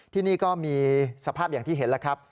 ที่นี่ก็มีสภาพอย่างที่เห็นแล้วครับ